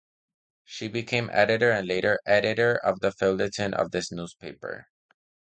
She became editor and later editor of the feuilleton of this newspaper.